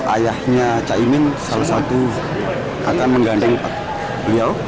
ayahnya caimin salah satu kata mengganteng beliau